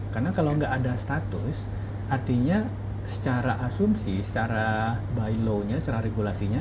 karena kalau tidak ada status artinya secara asumsi secara bylaw nya secara regulasinya